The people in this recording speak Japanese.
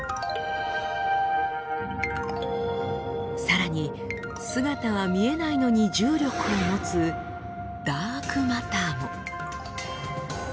さらに姿は見えないのに重力を持つダークマターも。